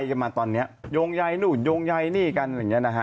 โยงใยกันมาตอนนี้โยงใยหนูโยงใยนี่กันอย่างนี้นะฮะ